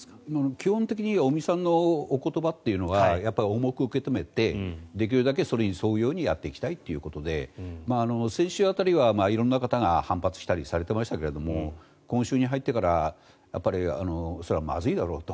基本的に尾身さんのお言葉というのはやっぱり重く受け止めてできるだけそれに沿うようにやっていきたいということで先週辺りは色んな方が反発したりされていましたけれど今週に入ってからやっぱりそれはまずいだろうと。